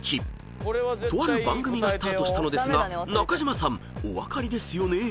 ［とある番組がスタートしたのですが中島さんお分かりですよね？］